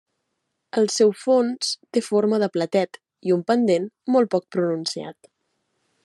El seu fons té forma de platet i un pendent molt poc pronunciat.